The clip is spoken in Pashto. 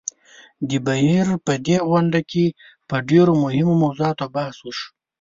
د بهېر په دې غونډه کې په ډېرو مهمو موضوعاتو بحث وشو.